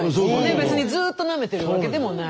別にずっとなめてるわけでもない。